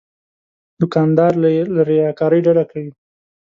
دوکاندار له ریاکارۍ ډډه کوي.